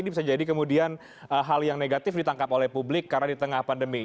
ini bisa jadi kemudian hal yang negatif ditangkap oleh publik karena di tengah pandemi